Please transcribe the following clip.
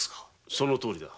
そのとおりだ。